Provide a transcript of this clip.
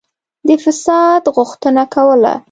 د فساد غوښتنه کوله.